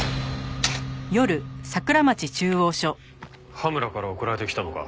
羽村から送られてきたのか？